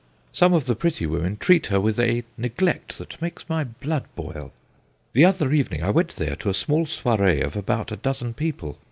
Some of the pretty women treat her with a neglect that makes my blood boil. The other even ing I went there to a small soiree of about a dozen people.